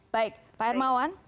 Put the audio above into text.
baik pak hermawan